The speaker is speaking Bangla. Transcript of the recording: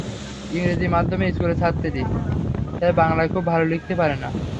ইংরেজি মাধ্যম স্কুলের ছাত্রী, তাই বাংলায় খুব ভালো লিখতে পারে না।